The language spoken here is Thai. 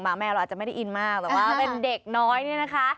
แมวเราอาจจะไม่ได้อินมากแต่ว่าเป็นเด็กน้อยเนี่ยนะคะ